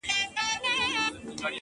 د پردي کلي د غلۀ کانه ور وسوه ,